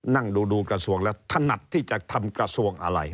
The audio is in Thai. นั่งดูกระทรวงแล้วถนัดที่จะทำกระทรวงอะไร